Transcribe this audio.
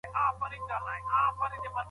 د هري نوي خبري په اړه ژوره څېړنه وکړه.